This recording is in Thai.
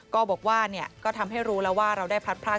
ก็บอกว่าทำให้รู้แล้วว่าเราได้พราตรภาค